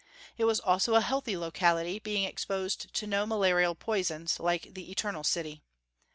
It was also a healthy locality, being exposed to no malarial poisons, like the "Eternal City."